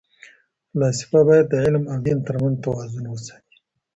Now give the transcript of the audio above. فلاسفه باید د علم او دین ترمنځ توازن وساتي.